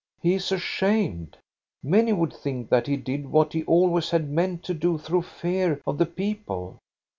*' He IS ashamed. Many would think that he did what he always had meant to do through fear of the people."